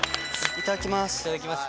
いただきます。